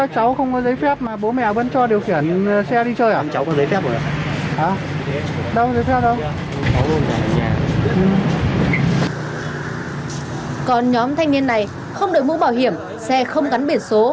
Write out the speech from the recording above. còn nhóm thanh niên này không đội mũ bảo hiểm xe không gắn biển số